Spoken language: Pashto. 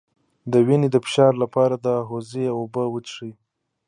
د وینې د فشار لپاره د هوږې اوبه وڅښئ